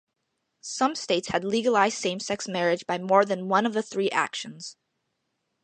Some states had legalized same-sex marriage by more than one of the three actions.